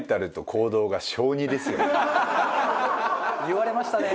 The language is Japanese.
言われましたね。